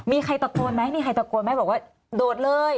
มีใครตะโกนไหมมีใครตะโกนไหมบอกว่าโดดเลย